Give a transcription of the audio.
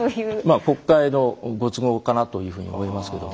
国会のご都合かなというふうに思いますけども。